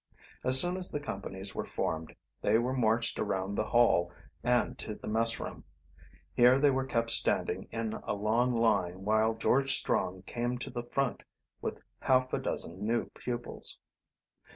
As soon as the companies were formed they were marched around the Hall and to the messroom. Here they were kept standing in a long fine while George Strong came to the front with half a dozen new pupils.